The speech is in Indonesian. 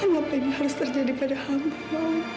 kenapa ini harus terjadi pada kamu ibu